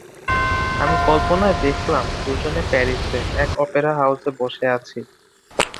আমি কল্পনায় দেখালাম দুজনে প্যারিসে, এক অপেরা হাউজে বসে আছি।